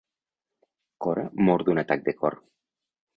Cora mor d'un atac de cor.